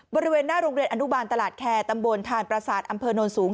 บริเวณหน้าโรงเรียนอนุบาลตลาดแคร์ตำบลทานประสาทอำเภอโน้นสูง